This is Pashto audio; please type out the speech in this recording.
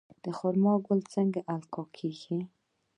د خرما ګل څنګه القاح کیږي؟